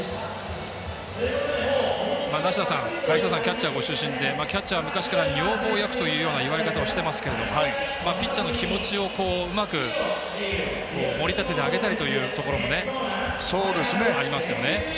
梨田さんはキャッチャーご出身でキャッチャーは昔から女房役という言われ方をしていますがピッチャーの気持ちをうまく盛り立ててあげたりというところもありますよね。